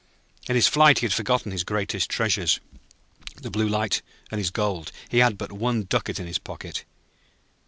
In his flight he had forgotten his greatest treasures, the Blue Light and his gold. He had but one ducat in his pocket.